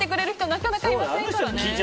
なかなかいませんからね。